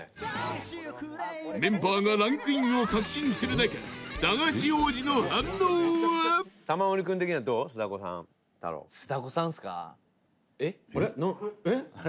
メンバーがランクインを確信する中駄菓子王子の反応は北山：あれ？